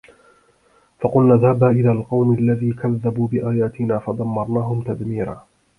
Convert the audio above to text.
فَقُلنَا اذهَبا إِلَى القَومِ الَّذينَ كَذَّبوا بِآياتِنا فَدَمَّرناهُم تَدميرًا